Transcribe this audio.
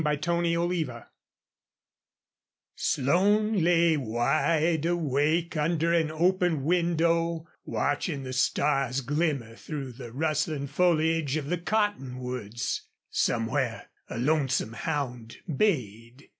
CHAPTER XIV Slone lay wide awake under an open window, watching the stars glimmer through the rustling foliage of the cottonwoods. Somewhere a lonesome hound bayed.